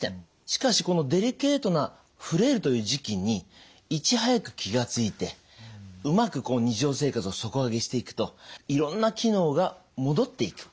しかしこのデリケートなフレイルという時期にいち早く気が付いてうまく日常生活を底上げしていくといろんな機能が戻っていく。